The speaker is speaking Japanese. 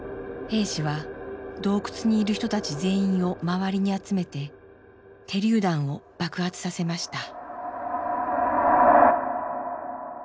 兵士は洞窟にいる人たち全員を周りに集めて手りゅう弾を爆発させました。